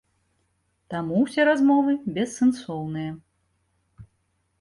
Таму ўсе размовы бессэнсоўныя.